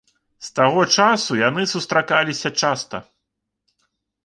З таго часу яны сустракаліся часта.